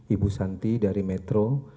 ibu santi dari metro